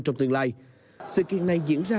trong tương lai sự kiện này diễn ra